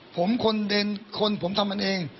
ผมคนเด่นคนผมทำมันเอง